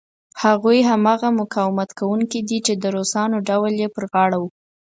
هغوی هماغه مقاومت کوونکي دي چې د روسانو ډول یې پر غاړه و.